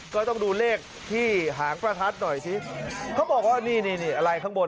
ก็ต้องดูเลขที่หางประทัดหน่อยสิเขาบอกว่านี่นี่อะไรข้างบน